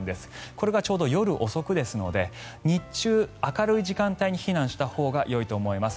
これがちょうど夜遅くですので日中明るい時間帯に避難したほうがよいと思います。